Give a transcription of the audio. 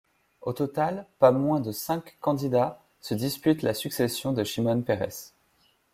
Au total, pas moins de cinq candidats se disputent la succession de Shimon Peres.